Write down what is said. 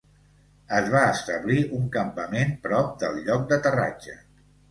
Es va establir un campament prop del lloc d'aterratge.